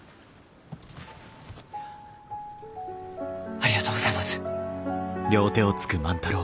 ありがとうございます。